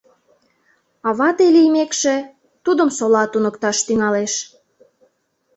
А вате лиймекше... тудым сола туныкташ тӱҥалеш.